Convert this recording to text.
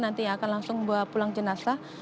nanti akan langsung membawa pulang jenazah